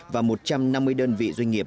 và một trăm năm mươi đơn vị doanh nghiệp